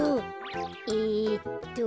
えっと。